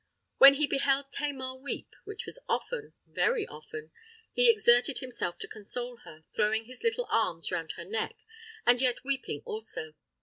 When he beheld Tamar weep, which was often—very often—he exerted himself to console her, throwing his little arms round her neck, and yet weeping also!